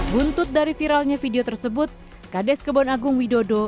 buntut dari viralnya video tersebut kades kebon agung widodo